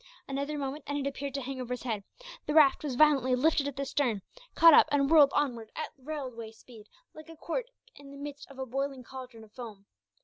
Another moment, and it appeared to hang over his head; the raft was violently lifted at the stern, caught up, and whirled onward at railway speed, like a cork in the midst of a boiling cauldron of foam.